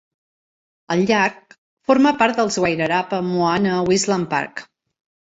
El llac forma part del Wairarapa Moana Wetlands Park.